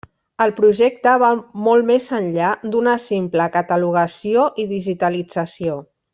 El projecte va molt més enllà d'una simple catalogació i digitalització.